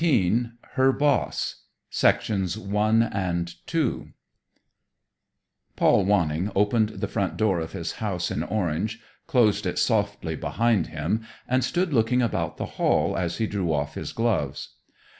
Century, May 1918 Her Boss Paul Wanning opened the front door of his house in Orange, closed it softly behind him, and stood looking about the hall as he drew off his gloves.